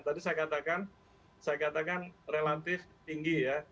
tadi saya katakan saya katakan relatif tinggi ya